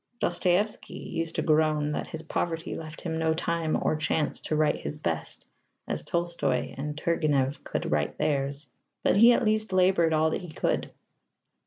Dostoevsky used to groan that his poverty left him no time or chance to write his best as Tolstoy and Turgenev could write theirs. But he at least laboured all that he could.